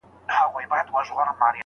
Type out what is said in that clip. شاعر: خلیل جبران